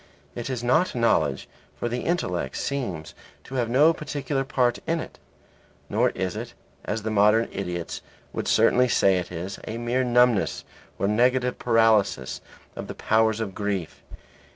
It is not knowledge, for the intellect seems to have no particular part in it. Nor is it (as the modern idiots would certainly say it is) a mere numbness or negative paralysis of the powers of grief.